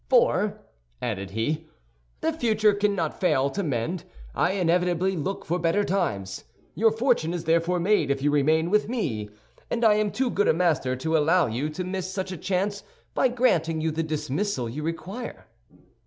"For," added he, "the future cannot fail to mend; I inevitably look for better times. Your fortune is therefore made if you remain with me, and I am too good a master to allow you to miss such a chance by granting you the dismissal you require."